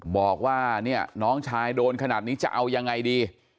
บอกว่าเนี่ยน้องชายโดนขนาดนี้จะเอายังไงดี